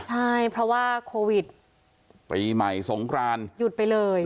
ใช่เพราะว่าโควิดปีใหม่สงครานหยุดไปเลย